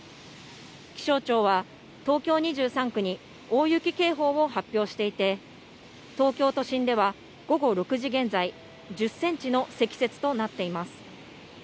気象庁は、東京２３区に大雪警報を発表していて、東京都心では午後６時現在、１０センチの積雪となっています。